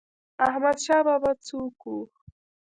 احمد شاه بابا څوک و؟